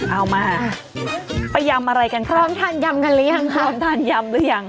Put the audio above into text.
เอามาไปยำอะไรกันพร้อมทานยำกันหรือยังพร้อมทานยำหรือยัง